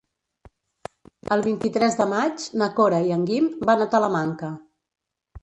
El vint-i-tres de maig na Cora i en Guim van a Talamanca.